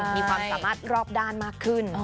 มีความสามารถรอบด้านมากขึ้น